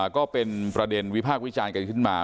ก็เป็นประเด็นวิพากษ์วิจารณ์กันขึ้นมา